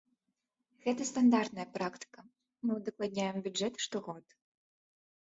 Гэта стандартная практыка, мы ўдакладняем бюджэт штогод.